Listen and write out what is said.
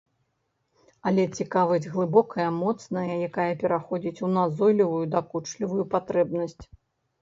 Але цікавасць глыбокая, моцная, якая пераходзіць у назойлівую, дакучлівую патрэбнасць.